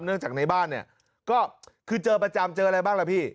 เนื่องจากในบ้านเนี่ยก็คือเจอประจำเจออะไรบ้างล่ะพี่